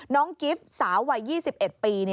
น้องกิฟต์สาววัย๒๑ปี